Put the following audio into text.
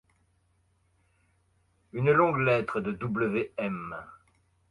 Une longue lettre de Wm.